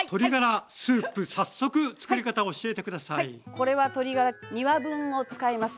これは鶏ガラ２羽分を使います。